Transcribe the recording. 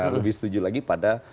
lebih setuju lagi pada